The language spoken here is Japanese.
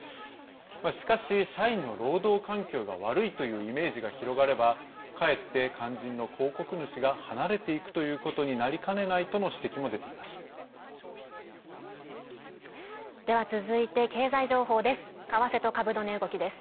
しかし、社員の労働環境が悪いというイメージが広がればかえって、肝心の広告主が離れていくということになりかねないとの指摘も出ています。